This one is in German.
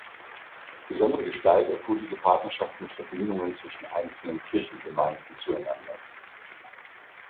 Besondere Gestalt erfuhr diese Partnerschaft mit Verbindungen zwischen einzelnen Kirchengemeinden zueinander.